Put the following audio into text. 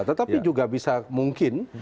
tetapi juga bisa mungkin